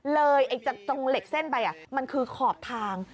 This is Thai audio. เลยจากตรงเหล็กเส้นไปมันคือขอบทาง